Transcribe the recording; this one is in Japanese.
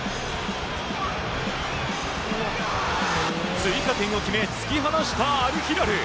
追加点を決め突き放したアルヒラル！